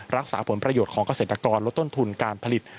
รักษาผลประโยชน์ของเกษตรกรลดต้นทุนการผลิต